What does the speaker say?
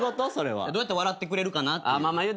どうやったら笑ってくれるかなっていう。